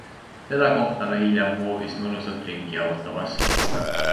Teda kohtame hiljem hoovis mõnusalt ringi jalutamas.